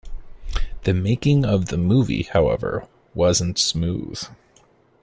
The making of the movie, however, wasn't smooth.